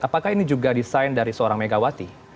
apakah ini juga desain dari seorang megawati